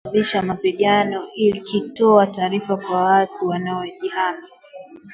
ambazo zinaweza kusababisha mapigano ikitoa taarifa za waasi wanaojihami